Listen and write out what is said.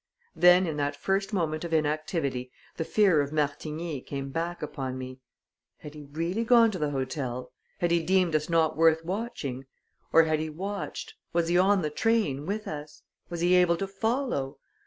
Then, in that first moment of inactivity, the fear of Martigny came back upon me. Had he really gone to the hotel? Had he deemed us not worth watching? Or had he watched? Was he on the train with us? Was he able to follow?